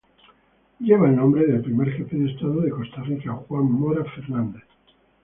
Lleva el nombre del primer Jefe de Estado de Costa Rica, Juan Mora Fernández.